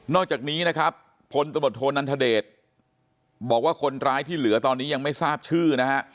อกจากนี้นะครับพลตำรวจโทนันทเดชบอกว่าคนร้ายที่เหลือตอนนี้ยังไม่ทราบชื่อนะฮะ